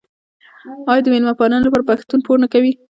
آیا د میلمه پالنې لپاره پښتون پور نه کوي؟